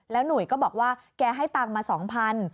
หนุ่ยก็บอกว่าแกให้ตังค์มา๒๐๐บาท